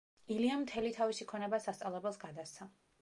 ილიამ მთელი თავისი ქონება სასწავლებელს გადასცა.